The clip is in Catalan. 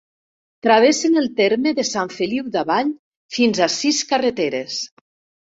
Travessen el terme de Sant Feliu d'Avall fins a sis carreteres.